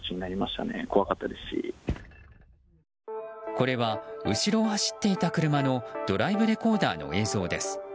これは後ろを走っていた車のドライブレコーダーの映像です。